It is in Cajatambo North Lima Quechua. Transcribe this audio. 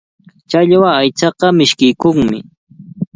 Challwa aychaqa mishkiykunmi.